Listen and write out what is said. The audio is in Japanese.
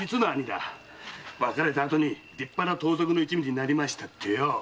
〔別れた後に立派な盗賊の一味になりましたってよ！〕